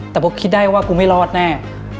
แต่พอคิดได้ว่ากูไม่รอดแน่